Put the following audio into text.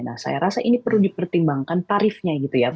nah saya rasa ini perlu dipertimbangkan tarifnya gitu ya